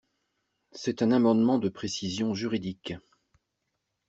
C’est un amendement de précision juridique.